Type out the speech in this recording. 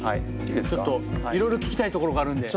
ちょっといろいろ聞きたいところがあるんで。